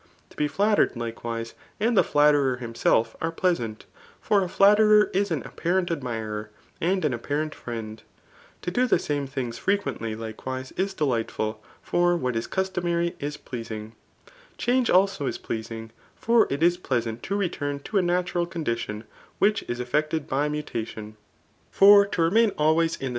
] To be ffatterefd, Itk^i nme, and the flatterer himself are pleasant f for a flatterei^ h m apparent admira'> and an apparent friend. To d^ ihe same things frequently, likewise^ is deKghtfot y ki what is custoAiary is pleasing* Change also is plea^g ; for it is f leasant to return to a natural condition which Is effected by mtttatbft* For to i&mkk alii»ys in the 70 TJIS ART OF